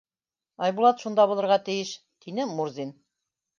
Айбулат шунда булырға тейеш, — тине Мурзин.